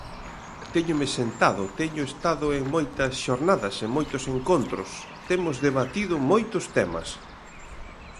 Téñome sentado, teño estado en moitas xornadas, en moitos encontros, temos debatido moitos temas.